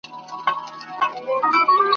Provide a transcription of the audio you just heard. او هر یو د خپل فکر او نظر خاوند دی !.